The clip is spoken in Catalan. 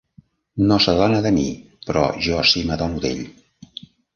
No s'adona de mi, però jo si me n'adono d'ell.